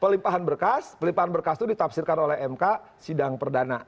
pelimpahan berkas pelimpahan berkas itu ditafsirkan oleh mk sidang perdana